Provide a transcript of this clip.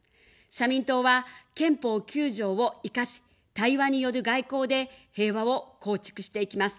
社民党は、憲法９条を活かし、対話による外交で平和を構築していきます。